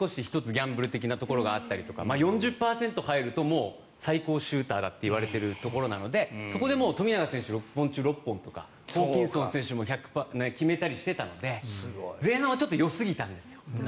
ギャンブル的なところがあったりとか４０％入ると最高シューターだって言われているところなのでそこでもう富永選手６本中６本とかホーキンソン選手も決めたりしてたので前半はよすぎたんですよ。